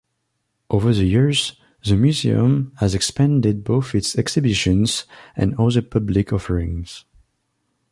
Over the years, the museum has expanded both its exhibitions and other public offerings.